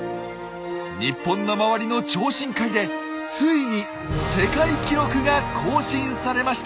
日本の周りの超深海でついに世界記録が更新されました！